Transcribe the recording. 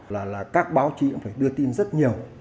là các báo chí cũng phải đưa tin rất nhiều